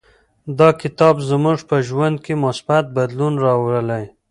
دا کتاب زموږ په ژوند کې مثبت بدلون راولي.